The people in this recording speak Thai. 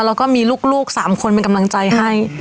แล้วก็มีลูก๓คนเป็นกำลังใจให้